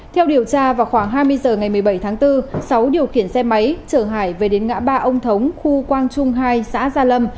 theo điều tra vào khoảng hai mươi h ngày một mươi bảy tháng bốn sáu điều khiển xe máy chở hải về đến ngã ba ông thống khu quang trung hai xã gia lâm